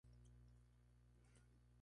Solo se vende en algunas tiendas online.